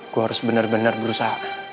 gue harus benar benar berusaha